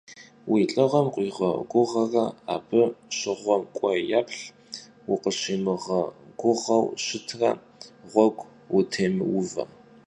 Vui lh'ığem vukhiğeguğere, abı şığuem k'uei yêplh, vukhimığeguğeu şıtre, ğuegu vutêmıuve.